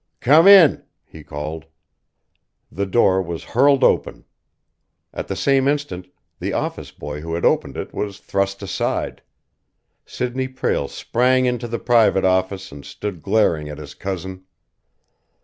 "Come in!" he called. The door was hurled open. At the same instant, the office boy who had opened it was thrust aside. Sidney Prale sprang into the private office and stood glaring at his cousin.